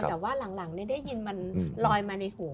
แต่ว่าหลังได้ยินมันลอยมาในหัว